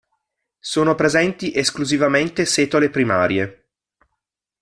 Sono presenti esclusivamente setole primarie.